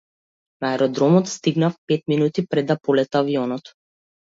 На аеродромот стигнав пет минути пред да полета авионот.